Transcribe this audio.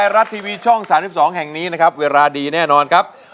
ร้องได้ให้ล้าน